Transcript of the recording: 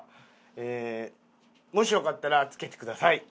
もしよかったら着けてください。